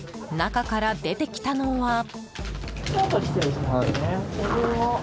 中から出てきたのは。